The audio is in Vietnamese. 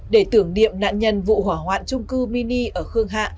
để tưởng niệm nạn nhân vụ hỏa hoạn trung cư mini ở khương hạ